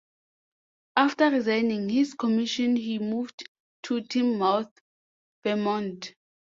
After resigning his commission he moved to Tinmouth, Vermont.